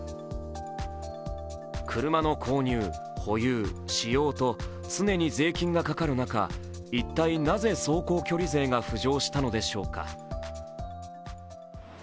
車の購入、保有、使用と常に税金がかかる中、一体なぜ走行距離税が浮上したのでしょうか。